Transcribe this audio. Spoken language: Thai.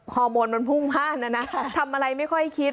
ฮอร์โมนมันพุ่งพลาดนะนะทำอะไรไม่ค่อยคิด